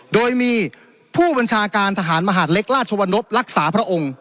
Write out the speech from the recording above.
โดยมีผู้บัญชาการทหารมหาดเล็กราชวนพรักษาพระองค์